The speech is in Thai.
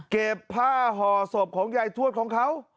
เก็บผ้าห่อศพของยายทวดของเขา